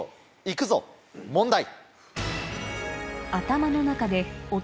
行くぞ問題。